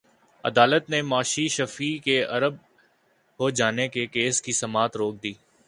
عدالت نے میشا شفیع کے ارب ہرجانے کے کیس کی سماعت روک دی